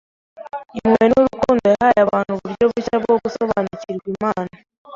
impuhwe n’urukundo. Yahaye abantu uburyo bushya bwo gusobanukirwa n’Imana.